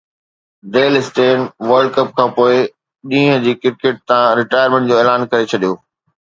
deal Steyn World Cup کانپوءِ ڏينهن جي ڪرڪيٽ تان رٽائرمينٽ جو اعلان ڪري ڇڏيو